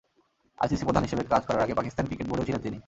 ICC প্রধান হিসেবে কাজ করার আগে পাকিস্তান ক্রিকেট বোর্ডেও ছিলেন তিনি।